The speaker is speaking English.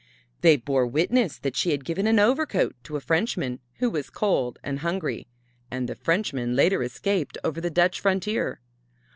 They bore witness that she had given an overcoat to a Frenchman who was cold and hungry and the Frenchman later escaped over the Dutch frontier.